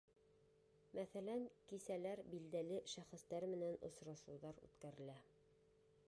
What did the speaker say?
Мәҫәлән, кисәләр, билдәле шәхестәр менән осрашыуҙар үткәрелә.